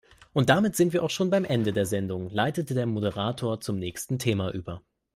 Und damit sind wir auch schon am Ende der Sendung, leitete der Moderator zum nächsten Thema über.